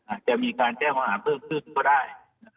อาจจะมีการแจ้งข้อหาเพิ่มขึ้นก็ได้